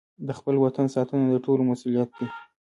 د خپل وطن ساتنه د ټولو مسوولیت دی.